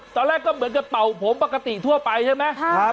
ตอนแรกก็เหมือนกับเป่าผมปกติทั่วไปใช่ไหม